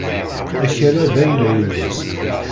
Akal-a d ayla-inu.